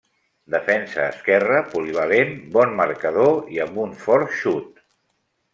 Defensa esquerre, polivalent, bon marcador i amb un fort xut.